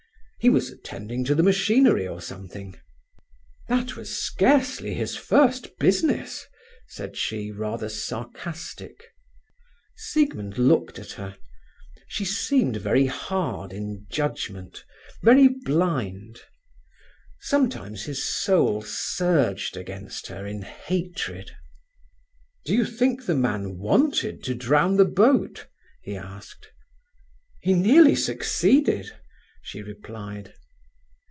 "He was attending to the machinery or something." "That was scarcely his first business," said she, rather sarcastic. Siegmund looked at her. She seemed very hard in judgement—very blind. Sometimes his soul surged against her in hatred. "Do you think the man wanted to drown the boat?" he asked. "He nearly succeeded," she replied.